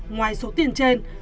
ngoài số tiền trên